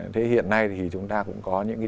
thế hiện nay thì chúng ta cũng có những cái